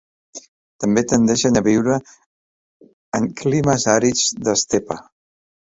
També tendeixen a viure en climes àrids d'estepa.